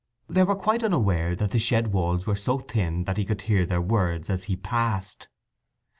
They were quite unaware that the shed walls were so thin that he could hear their words as he passed.